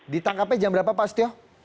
ditangkapnya jam berapa pak setio